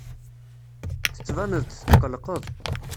Tettbaneḍ-d tetqelqeḍ.